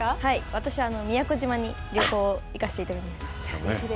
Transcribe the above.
私は宮古島に旅行に行かせていただきました。